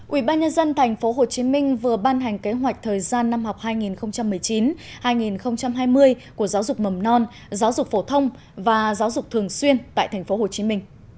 ubnd tp hcm vừa ban hành kế hoạch thời gian năm học hai nghìn một mươi chín hai nghìn hai mươi của giáo dục mầm non giáo dục phổ thông và giáo dục thường xuyên tại tp hcm